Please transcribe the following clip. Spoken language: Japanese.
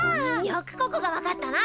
よくここが分かったな！